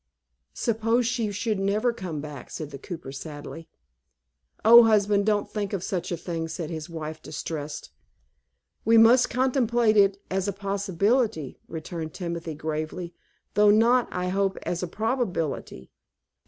"Suppose she should never come back," said the cooper, sadly. "Oh, husband, don't think of such a thing," said his wife, distressed. "We must contemplate it as a possibility," returned Timothy, gravely, "though not, I hope, as a probability.